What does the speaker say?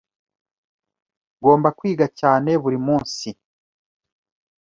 Ngomba kwiga cyane buri munsi.